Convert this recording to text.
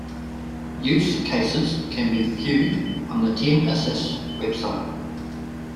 Use cases can be viewed on the TenAsys website.